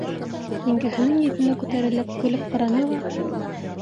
Еңгәһенең йөҙөнә күтәрелеп, көлөп ҡараны ла: